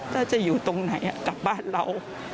ถ้าจะอยู่ตรงไหนกลับบ้านเรา